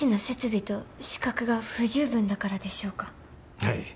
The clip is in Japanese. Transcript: はい。